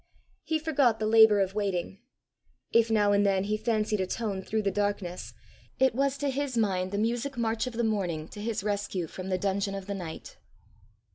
He forgot the labour of waiting. If now and then he fancied a tone through the darkness, it was to his mind the music march of the morning to his rescue from the dungeon of the night.